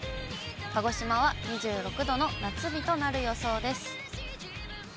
鹿児島は２６度の夏日となる予想です。